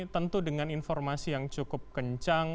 tentu dengan informasi yang cukup kencang